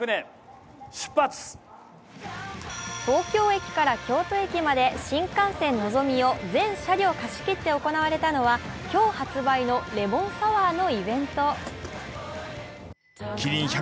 東京駅から京都駅まで新幹線のぞみを全車両貸し切って行われたのは今日発売のレモンサワーのイベント。